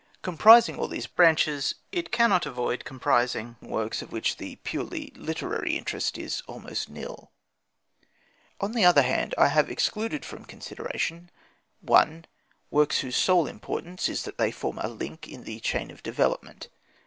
Comprising all these branches, it cannot avoid comprising works of which the purely literary interest is almost nil. On the other hand, I have excluded from consideration: i. Works whose sole importance is that they form a link in the chain of development.